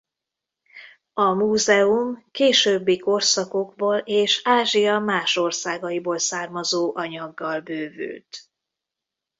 A Múzeum későbbi korszakokból és Ázsia más országaiból származó anyaggal bővült.